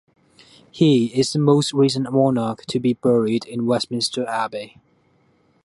He is the most recent monarch to be buried in Westminster Abbey.